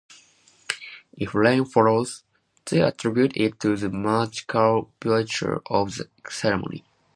If rain follows, they attribute it to the magical virtue of the ceremony.